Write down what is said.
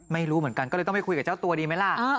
ไม่รู้เหมือนกันก็เลยต้องไปคุยกับเจ้าตัวดีไหมล่ะ